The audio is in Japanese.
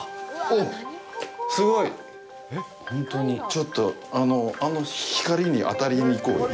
ちょっとあの光に当たりに行こうよ。